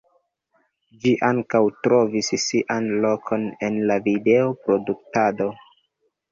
Ĝi ankaŭ trovis sian lokon en la video-produktado.